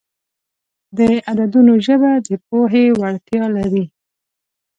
د عددونو ژبه د پوهې وړتیا لري.